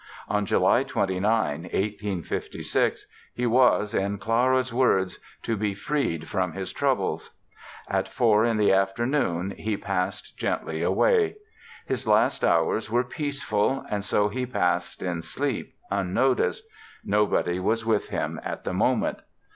On July 29, 1856, he was, in Clara's words "to be freed from his troubles; at four in the afternoon he passed gently away. His last hours were peaceful and so he passed in sleep, unnoticed—nobody was with him at the moment.